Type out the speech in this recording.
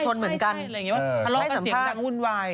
ทะเลาะกับเสียงยามหุ่นวาย